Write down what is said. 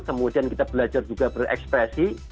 kemudian kita belajar juga berekspresi